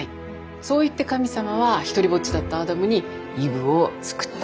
そういって神様は独りぼっちだったアダムにイブをつくった。